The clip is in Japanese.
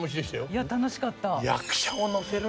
いや楽しかった。